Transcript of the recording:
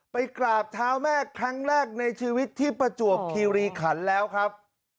ไปกราบเท้าแม่ครั้งแรกในชีวิตที่ประจวบคีรีขันแล้วครับ